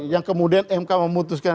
yang kemudian mk memutuskan